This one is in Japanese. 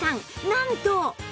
なんと